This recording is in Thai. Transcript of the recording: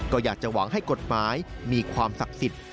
ก็อยากจะหวังให้กฎหมายมีความศักดิ์สิทธิ์